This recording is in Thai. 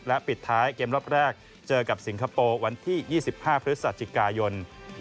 และปิดท้ายเกมรอบแรกเจอกับสิงคโปร์วันที่๒๕พฤศจิกายน